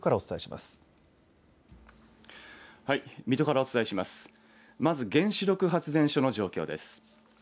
まず原子力発電所の状況です。